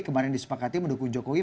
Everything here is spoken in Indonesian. kemarin disepakati mendukung jokowi